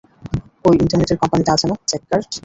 ঐ ইন্টারনেটের কোম্পানিটা আছে না, চেককার্ট?